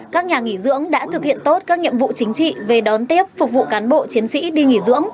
các nhà nghỉ dưỡng đã thực hiện tốt các nhiệm vụ chính trị về đón tiếp phục vụ cán bộ chiến sĩ đi nghỉ dưỡng